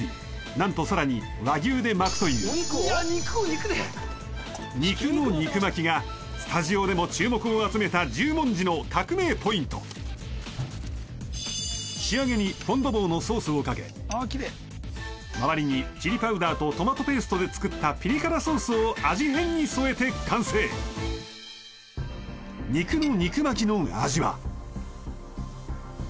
なんとさらに和牛で巻くという肉の肉巻きがスタジオでも注目を集めた十文字の革命ポイント仕上げにフォンドボーのソースをかけ周りにチリパウダーとトマトペーストで作ったピリ辛ソースを味変に添えて完成肉の肉巻きの味は？